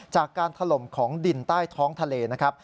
จากการทะลมของดินใต้ท้องทะเลนะครับ